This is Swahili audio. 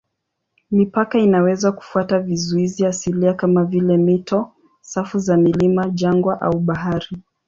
Mipaka inaweza kufuata vizuizi asilia kama vile mito, safu za milima, jangwa au bahari.